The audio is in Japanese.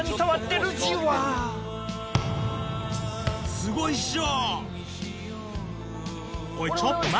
「すごいっしょ！」